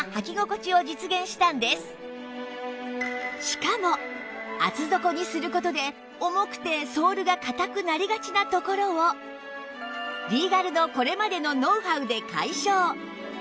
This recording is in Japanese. しかも厚底にする事で重くてソールが硬くなりがちなところをリーガルのこれまでのノウハウで解消！